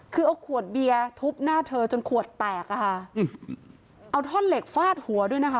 คือเอาขวดเบียร์ทุบหน้าเธอจนขวดแตกอะค่ะเอาท่อนเหล็กฟาดหัวด้วยนะคะ